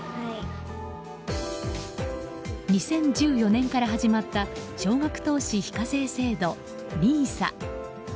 ２０１４年から始まった小額投資非課税制度・ＮＩＳＡ。